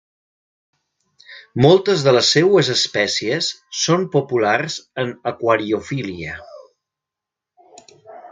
Moltes de les seues espècies són populars en aquariofília.